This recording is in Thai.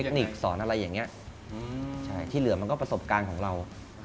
สอนเทคนิคสอนอะไรอย่างนี้ที่เหลือมันก็ประสบการณ์ของเรา